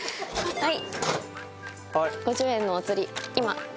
はい。